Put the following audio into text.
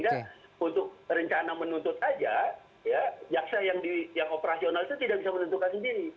sehingga untuk rencana menuntut aja jaksa yang operasional itu tidak bisa menentukan sendiri